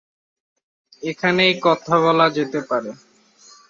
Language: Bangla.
এখানেই কথা বলা যেতে পারে।